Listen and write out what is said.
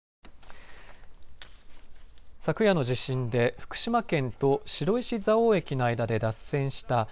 昨夜の地震で福島県と白石蔵王駅の間で脱線した。